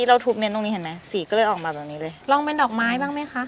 เราทุบเน้นตรงนี้เห็นไหมสีก็เลยออกมาแบบนี้เลยลองเป็นดอกไม้บ้างไหมคะ